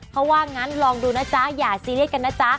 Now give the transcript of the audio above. เขาว่างั้นลองดูนะจ๊ะอย่าซีเรียสกันนะจ๊ะ